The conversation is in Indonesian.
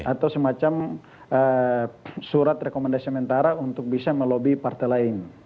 atau semacam surat rekomendasi mentara untuk bisa melobi partai lain